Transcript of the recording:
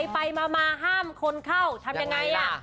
ไปมาห้ามคนเข้าทำอย่างไรล่ะ